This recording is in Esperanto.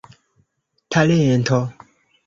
talento